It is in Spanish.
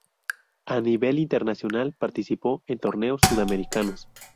A nivel internacional, participó en torneos sudamericanos.